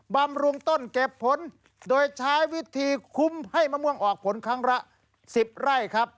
บำรุงต้นเก็บผลโดยใช้วิธีคุ้มให้มะม่วงออกผลครั้งละ๑๐ไร่ครับ